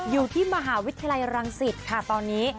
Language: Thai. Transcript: อยู่ที่มหาวิทยาลัยรังสิตค่ะตอนนี้